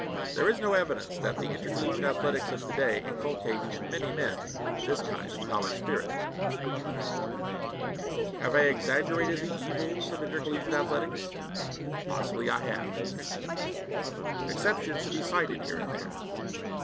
There is no evidence that the intercollegiate athletics of to day inculcate in many men this kind of college spirit. Have I exaggerated the evils of intercollegiate athletics? Possibly I have. Exceptions should be cited here and there.